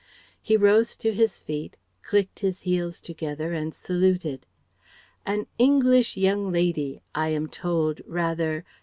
He rose to his feet, clicked his heels together and saluted. "An English young lady, I am told, rather